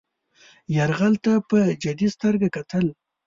یرغل ته په جدي سترګه کتل.